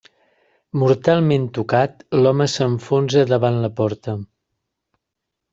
Mortalment tocat, l'home s'enfonsa davant la porta.